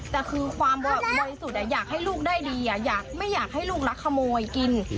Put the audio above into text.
แต่คือความบ่อยสุดอ่ะอยากให้ลูกได้ดีอ่ะอยากไม่อยากให้ลูกรักขโมยกิน